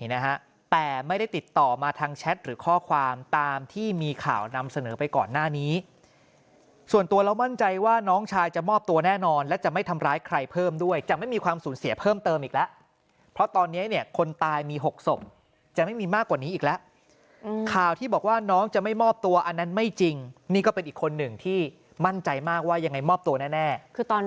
นี่นะฮะแต่ไม่ได้ติดต่อมาทางแชทหรือข้อความตามที่มีข่าวนำเสนอไปก่อนหน้านี้ส่วนตัวเรามั่นใจว่าน้องชายจะมอบตัวแน่นอนและจะไม่ทำร้ายใครเพิ่มด้วยจะไม่มีความสูญเสียเพิ่มเติมอีกแล้วเพราะตอนนี้เนี่ยคนตายมี๖ศพจะไม่มีมากกว่านี้อีกแล้วข่าวที่บอกว่าน้องจะไม่มอบตัวอันนั้นไม่จริงนี่ก็เป็นอีกคนหนึ่งที่มั่นใจมากว่ายังไงมอบตัวแน่คือตอน